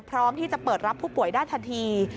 พร้อมที่จะเปิดรับผู้ป่วยได้ทันที